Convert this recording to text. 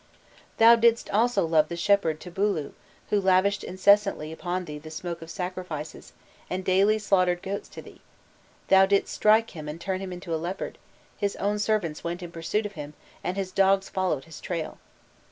Thou didst also love the shepherd Tabulu, who lavished incessantly upon thee the smoke of sacrifices, and daily slaughtered goats to thee; thou didst strike him and turn him into a leopard; his own servants went in pursuit of him, and his dogs followed his trail.